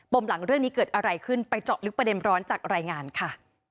มหลังเรื่องนี้เกิดอะไรขึ้นไปเจาะลึกประเด็นร้อนจากรายงานค่ะ